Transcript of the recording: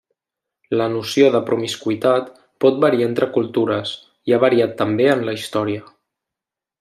La noció de promiscuïtat pot variar entre cultures, i ha variat també en la història.